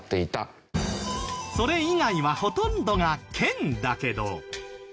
それ以外はほとんどが県だけど。